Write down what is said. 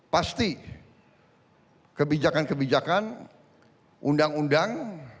pasti kebijakan kebijakan undang undang